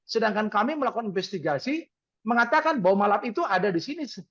sedangkan kami melakukan investigasi mengatakan bahwa malam itu ada di sini